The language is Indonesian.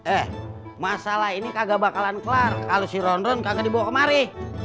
eh masalah ini kagak bakalan kelar kalau si roundron kagak dibawa kemari